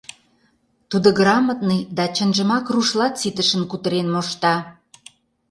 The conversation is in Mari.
Тудо грамотный да чынжымак рушлат ситышын кутырен мошта.